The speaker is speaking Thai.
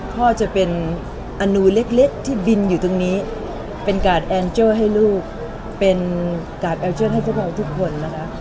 พ่อจะเป็นอนุเล็กที่บินอยู่ตรงนี้เป็นการ์ดแอลเจิลให้ลูกเป็นการ์ดแอลเจิลให้ทุกคน